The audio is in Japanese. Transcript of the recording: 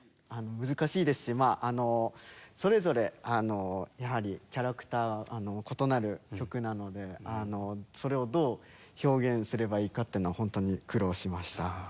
難しいですしまあそれぞれやはりキャラクター異なる曲なのでそれをどう表現すればいいかっていうのは本当に苦労しました。